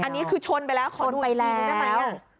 อันนี้คือชนไปแล้วขอดูจริงนะครับ